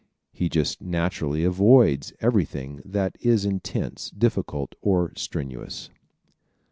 He just naturally avoids everything that is intense, difficult or strenuous.